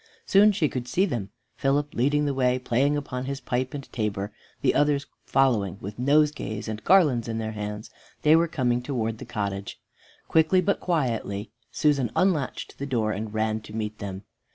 Soon she could see them, Philip leading the way playing upon his pipe and tabor, the others following with nosegays and garlands in their hands. They were coming towards the cottage. Quickly but quietly Susan unlatched the door and ran to meet them.